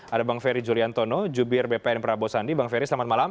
ada bang ferry juliantono jubir bpn prabowo sandi bang ferry selamat malam